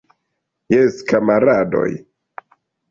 Jes, kamaradoj!